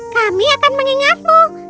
kami akan mengingatmu